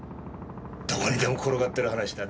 どこにでも転がってる話だ。